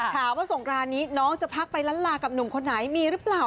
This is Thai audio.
สงครานนี้น้องจะพักไปล้านลากับหนุ่มคนไหนมีหรือเปล่า